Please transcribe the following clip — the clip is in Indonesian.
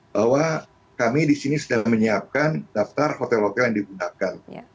bahwa kami di sini sudah menyiapkan daftar hotel hotel yang digunakan